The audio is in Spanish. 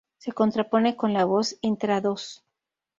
Se contrapone con la voz intradós.